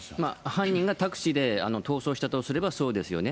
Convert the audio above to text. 犯人がタクシーで逃走したとすれば、そうですよね。